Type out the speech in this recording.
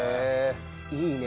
いいね。